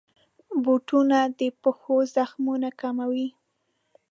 بوټونه د پښو زخمونه کموي.